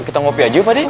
kita ngopi aja yuk pak d